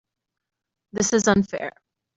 This is unfair.